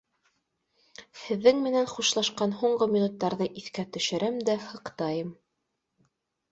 Һеҙҙең менән хушлашҡан һуңғы минуттарҙы иҫкә төшөрәм дә һыҡтайым.